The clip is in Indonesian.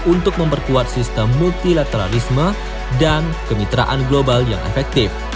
untuk memperkuat sistem multilateralisme dan kemitraan global yang efektif